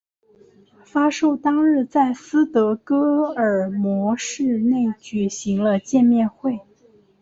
发售当日在斯德哥尔摩市内举行了见面会。